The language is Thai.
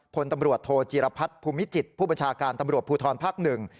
คนตำรวจโทรจีรพัทธ์ภูมิจิตผู้บัญชาการตำรวจภูทรภักดิ์๑